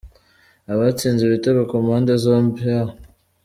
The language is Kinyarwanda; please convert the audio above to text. Abatsinze ibitego ku mpande zombi , H.